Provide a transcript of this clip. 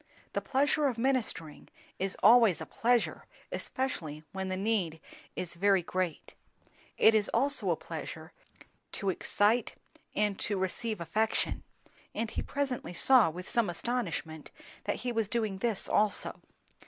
The pleasure of ministering is always a pleasure, especially when the need is very great; it is also a pleasure to excite and to receive affection; and he presently saw, with some astonishment, that he was doing this also.